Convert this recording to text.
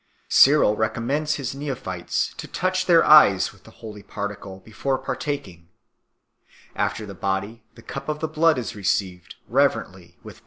Cyril recommends his neophytes to touch their eyes with the holy particle before partaking. After the Body, the cup of the Blood is received, reverently, with bowed head, the recipient saying Amen.